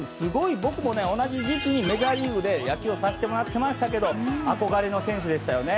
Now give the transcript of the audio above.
僕も同じ時期にメジャーリーグで野球させてもらってましたけど憧れの選手でしたね。